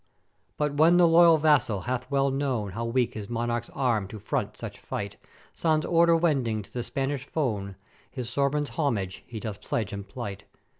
"But when the loyal Vassal well hath known how weak his Monarch's arm to front such fight, sans order wending to the Spanish fone, his Sovran's homage he doth pledge and plight.